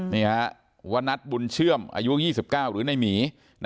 นี่ฮะวนัทบุญเชื่อมอายุ๒๙หรือในหมี